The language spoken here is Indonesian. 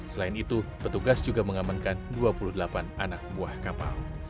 selain itu petugas juga mengamankan dua puluh delapan anak buah kapal